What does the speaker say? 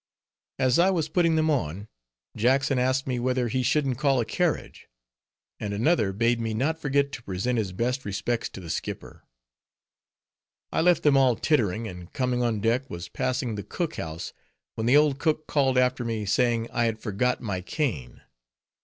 As I was putting them on, Jackson asked me whether he shouldn't call a carriage; and another bade me not forget to present his best respects to the skipper. I left them all tittering, and coming on deck was passing the cook house, when the old cook called after me, saying I had forgot my cane.